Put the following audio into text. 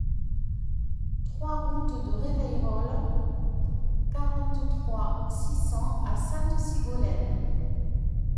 trois route de Reveyrolles, quarante-trois, six cents à Sainte-Sigolène